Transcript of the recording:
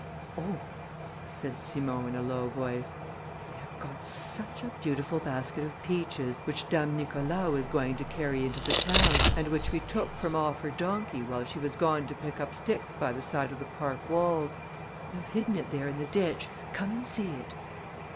"Oh," said Simon, in a low voice, "we have got such a beautiful basket of peaches, which Dame Nicholas was going to carry into the town, and which we took from off her donkey, while she was gone to pick up sticks by the side of the park walls. We have hidden it there in the ditch. Come and see it."